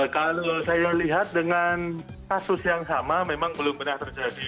kalau saya lihat dengan kasus yang sama memang belum pernah terjadi